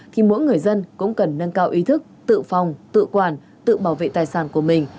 thì mỗi người dân cũng cần nâng cao ý thức tự phòng tự quản tự bảo vệ tài sản của mình